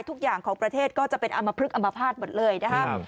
ทุกอย่างของประเทศก็จะเป็นอำมพลึกอมภาษณ์หมดเลยนะครับ